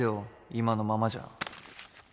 今のままじゃ。